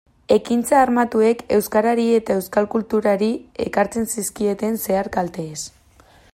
Ekintza armatuek euskarari eta euskal kulturari ekartzen zizkieten zehar-kalteez.